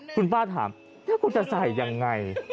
คุณป้าถามแล้วคุณจะใส่ยังไง